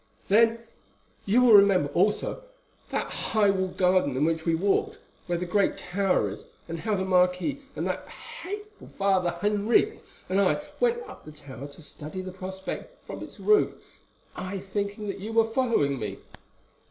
"Then you will remember also that high walled garden in which we walked, where the great tower is, and how the marquis and that hateful priest Father Henriques and I went up the tower to study the prospect from its roof, I thinking that you were following me."